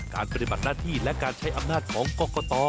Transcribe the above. ปฏิบัติหน้าที่และการใช้อำนาจของกรกต